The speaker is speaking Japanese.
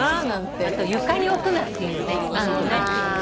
あと床に置くなっていうよね物をね。